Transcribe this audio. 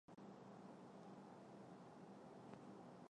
目前使用的主要有顶部承载式和底部承载式两种。